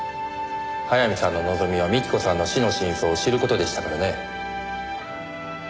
早見さんの望みは幹子さんの死の真相を知る事でしたからね。